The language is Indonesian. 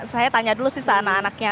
saya tanya dulu sih ke anak anaknya